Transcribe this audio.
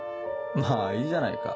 まぁいいじゃないか。